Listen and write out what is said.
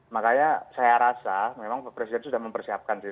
makanya saya rasa memang presiden sudah mempersiapkan sih